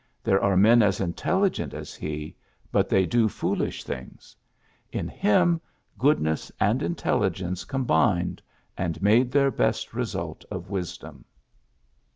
There are men as intelligent as he, but they do foolish things. In him goodness and intelligence combined and made their best result of wisdom.